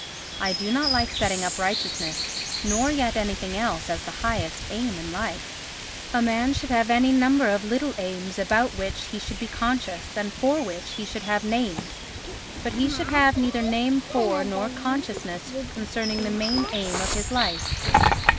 I do not like setting up righteousness, nor yet anything else, as the highest aim in life; a man should have any number of little aims about which he should be conscious and for which he should have names, but he should have neither name for, nor consciousness concerning the main aim of his life.